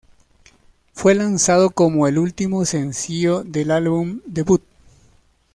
Fue lanzado como el último sencillo del álbum debut.